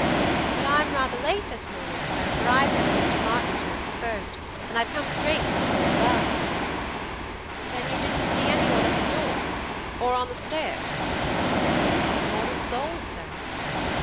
"But I'm rather late this morning, sir, for I've been in Mr. Martin's rooms first, and I've come straight from the floor above." "Then you didn't see any one at the door, or on the stairs?" "Not a mortal soul, sir."